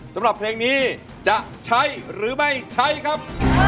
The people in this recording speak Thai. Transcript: สำหรับเพลงนี้จะใช้หรือไม่ใช้ครับ